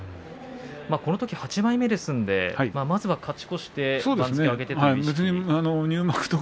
このとき８枚目なのでまずは勝ち越して番付を上げてと。